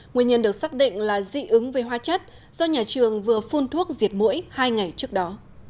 nguyên nhân được xác định là dị ứng về hoa chất do nhà trường vừa phun thuốc diệt mũi hai ngày trước đó